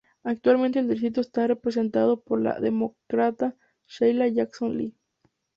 Actualmente el distrito está representado por la Demócrata Sheila Jackson Lee.